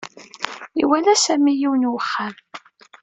Iwala Sami yiwen n uxxam.